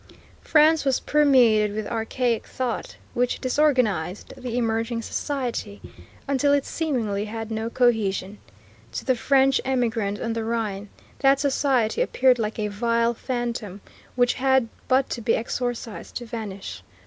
France was permeated with archaic thought which disorganized the emerging society until it seemingly had no cohesion. To the French emigrant on the Rhine that society appeared like a vile phantom which had but to be exorcised to vanish.